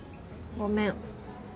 ごめん